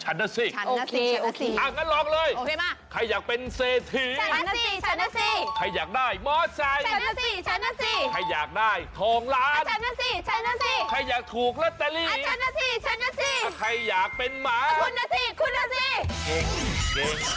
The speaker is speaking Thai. ไหลสาระกันพอแล้ว